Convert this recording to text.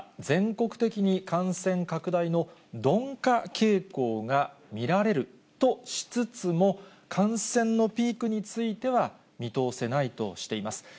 全国的に感染拡大の鈍化傾向が見られるとしつつも、感染のピークについては、見通せないとしています。